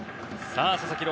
佐々木朗